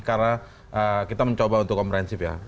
karena kita mencoba untuk komprehensif ya